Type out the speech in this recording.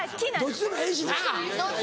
どっちでもええしな。